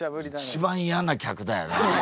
一番嫌な客だよね。